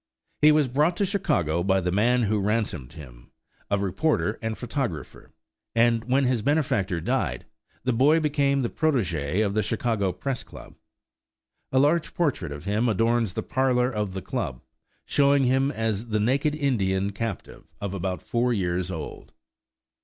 He was brought to Chicago by the man who ransomed him, a reporter and photographer, and when his benefactor died, the boy became the protégé of the Chicago Press Club. A large portrait of him adorns the parlor of the club, showing him as the naked Indian captive of about four years old.